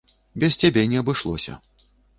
Без цябе не абышліся.